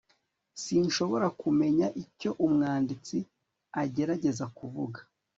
sinshobora kumenya icyo umwanditsi agerageza kuvuga